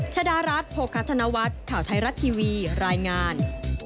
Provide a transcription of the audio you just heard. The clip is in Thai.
ชดารัฐโภคธนวัฒน์ข่าวไทยรัฐทีวีรายงาน